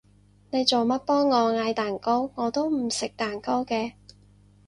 你做乜幫我嗌蛋糕？我都唔食蛋糕嘅